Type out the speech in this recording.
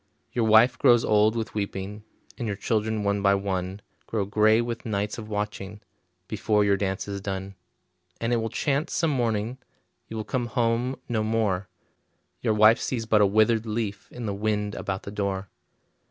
Your wife grows old with weeping, And your children one by one Grow gray with nights of watching, Before your dance is done. And it will chance some morning You will come home no more; Your wife sees but a withered leaf In the wind about the door.